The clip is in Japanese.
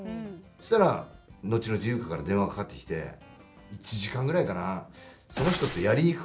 したら、のちのち優香から電話かかってきて１時間ぐらいかな。